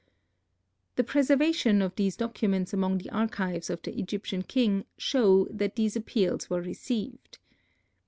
The preservation of these documents among the archives of the Egyptian king show that these appeals were received.